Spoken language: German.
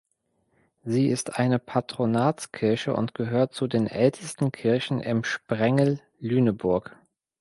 Sie ist eine Patronatskirche und gehört zu den ältesten Kirchen im Sprengel Lüneburg.